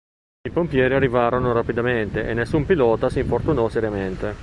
I pompieri arrivarono rapidamente e nessun pilota si infortunò seriamente.